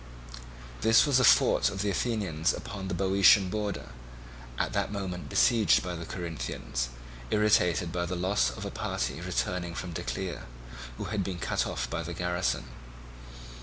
This was a fort of the Athenians upon the Boeotian border, at that moment besieged by the Corinthians, irritated by the loss of a party returning from Decelea, who had been cut off by the garrison.